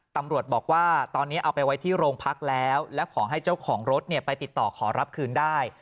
ตำรวจบอกว่าตอนนี้เอาไปไว้ที่โรงพักแล้วและขอให้เจ้าของรถไปติดต่อขอรับคืนได้